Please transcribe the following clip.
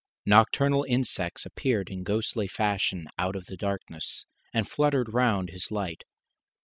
Nocturnal insects appeared in ghostly fashion out of the darkness, and fluttered round his light.